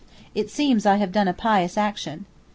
It seems I have done a pious action.